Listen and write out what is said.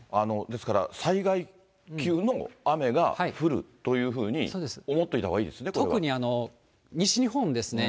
ですから、災害級の雨が降るというふうに思っておいたほうがいいですね、こ特に西日本ですね。